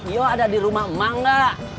yo ada di rumah emang nggak